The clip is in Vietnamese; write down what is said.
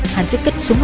hàn chức kích súng